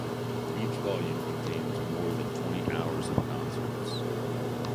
Each volume contains more than twenty hours of concerts.